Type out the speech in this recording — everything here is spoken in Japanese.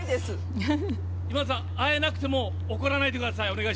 今田さん会えなくても怒らないでください。